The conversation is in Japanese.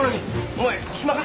お前暇か？